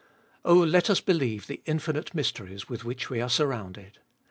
Oh let us believe the infinite mysteries with which we are surrounded.